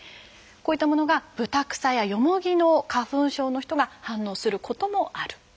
こういったものがブタクサやヨモギの花粉症の人が反応することもあるんだそうです。